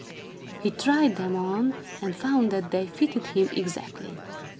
He tried them on, and found that they fitted him exactly.